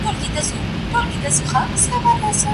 سم خراب سوی دی نقيب پر ميکدې نه راځي